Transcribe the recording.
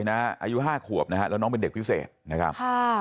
ลงไปเลยนะอายุ๕ขวบนะครับแล้วน้องเป็นเด็กพิเศษนะครับ